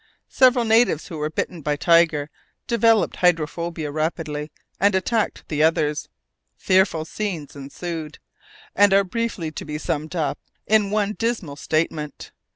Several natives who were bitten by Tiger developed hydrophobia rapidly, and attacked the others. Fearful scenes ensued, and are briefly to be summed up in one dismal statement.